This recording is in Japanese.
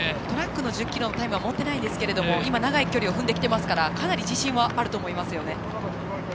トラックの１０ｋｍのタイムは持ってないんですけど今、長い距離を踏んできてますからかなり自信はあると思います。